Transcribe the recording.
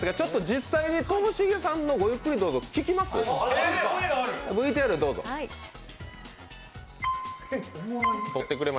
実際に、ともしげさんの「ごゆっくり、どうぞ」聞いてみる？